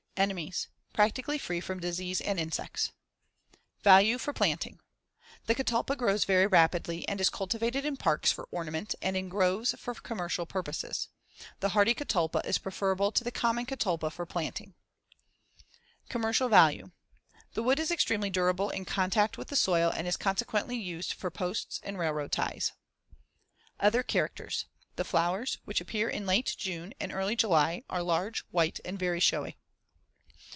Enemies: Practically free from disease and insects. Value for planting: The catalpa grows very rapidly and is cultivated in parks for ornament and in groves for commercial purposes. The hardy catalpa is preferable to the common catalpa for planting. Commercial value: The wood is extremely durable in contact with the soil and is consequently used for posts and railroad ties. Other characters: The flowers, which appear in late June and early July, are large, white and very showy.